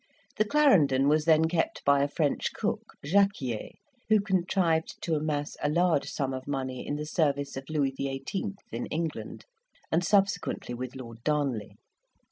The Clarendon was then kept by a French cook, Jacquiers, who contrived to amass a large sum of money in the service of Louis the Eighteenth in England, and subsequently with Lord Darnley.